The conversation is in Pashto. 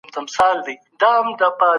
د توبې دروازه تل خلاصه ده.